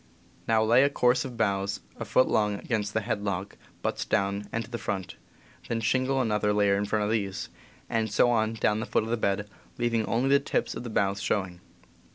Now lay a course of boughs a foot long against the head log, butts down and to the front, then shingle another layer in front of these, and so on down to the foot of the bed, leaving only the tips of the boughs showing.